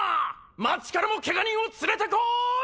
街からもケガ人を連れてこーい！